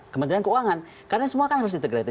kementerian keuangan karena semua harus ditegrate